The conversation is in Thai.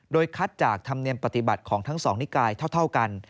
โดยคัดจากธรรมเนียมปฏิบัติของทั้งสองนิกายเท่ากัน